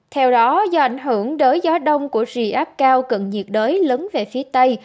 theo đó do ảnh hưởng đới gió đông của rì áp cao cận nhiệt đới lấn về phía tây